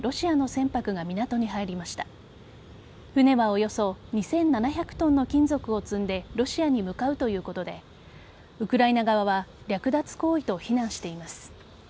船は、およそ２７００ｔの金属を積んでロシアに向かうということでウクライナ側は略奪行為と非難しています。